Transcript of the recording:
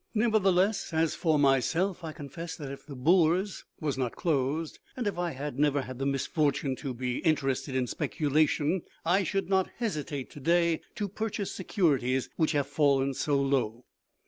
Never theless, as for myself, I confess that if the bourse was not closed, and if I had never had the misfortune to be interested in speculation, I should not hesitate to day to purchase securities which have fallen so low."